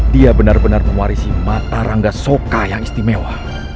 dia benar benar mewarisi mata rangga soka yang istimewa